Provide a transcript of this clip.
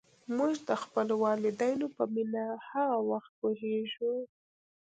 موږ د خپلو والدینو په مینه هغه وخت پوهېږو.